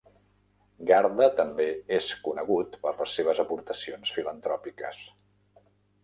Gharda també és conegut per les seves aportacions filantròpiques.